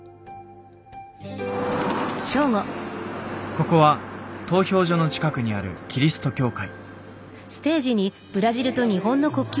ここは投票所の近くにあるキリスト教会。